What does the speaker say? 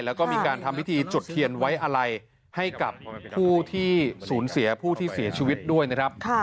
แล้วก็มีการทำพิธีจุดเทียนไว้อะไรให้กับผู้ที่สูญเสียผู้ที่เสียชีวิตด้วยนะครับ